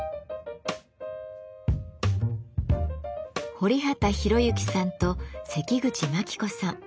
堀畑裕之さんと関口真希子さん。